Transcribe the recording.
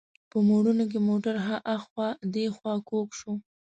په موړونو کې موټر هاخوا دیخوا کوږ شو.